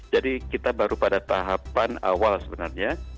jadi kita baru pada tahapan awal sebenarnya